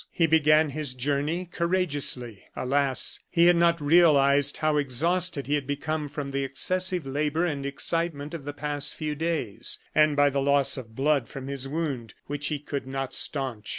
He began his journey courageously. Alas! he had not realized how exhausted he had become from the excessive labor and excitement of the past few days, and by the loss of blood from his wound, which he could not stanch.